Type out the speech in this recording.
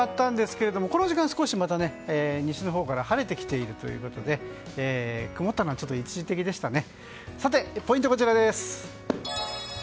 午後、ちょっと雲が広がったんですがこの時間、少しまた西のほうから晴れてきているということで曇ったのは一時的でしたね。